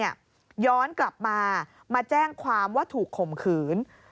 ย้อนกลับมามาแจ้งความว่าถูกข่มขืน